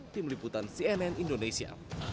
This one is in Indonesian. tim liputan cnn indonesia